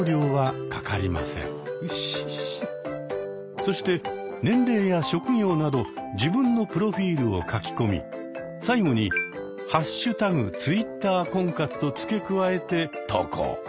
そして年齢や職業など自分のプロフィールを書き込み最後に「＃Ｔｗｉｔｔｅｒ婚活」と付け加えて投稿。